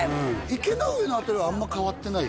池ノ上の辺りはあんま変わってない？